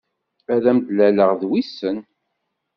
Ad am-d-laleɣ d wissen.